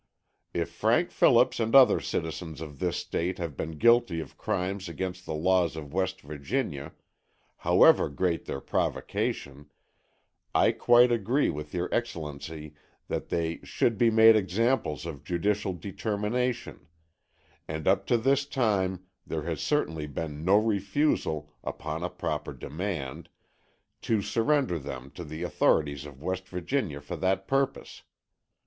"If Frank Phillips and other citizens of this State have been guilty of crimes against the laws of West Virginia, however great their provocation, I quite agree with your Excellency that 'they should be made examples of judicial determination' and up to this time there has certainly been no refusal, upon a proper demand, to surrender them to the authorities of West Virginia for that purpose.